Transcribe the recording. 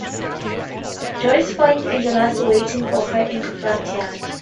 Joyce finds Angelus waiting for her in the front yard.